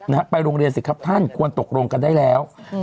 นะฮะไปโรงเรียนสิครับท่านควรตกลงกันได้แล้วอืม